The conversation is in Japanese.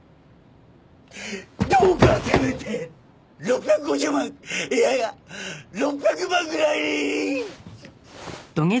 どうかせめて６５０万いやいや６００万ぐらいに！